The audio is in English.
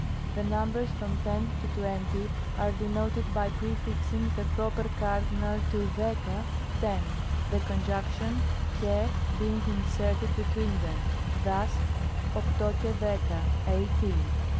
The numbers from ten to twenty are denoted by prefixing the proper cardinal to 8l?ca, " ten," the conjunction ^al being inserted between them. Thus, oxTco xai htxay " eighteen."